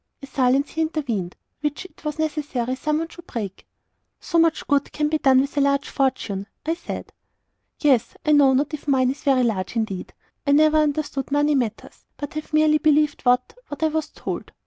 A silence here intervened, which it was necessary some one should break. "So much good can be done with a large fortune," I said. "Yes. I know not if mine is very large; indeed, I never understood money matters, but have merely believed what what I was told.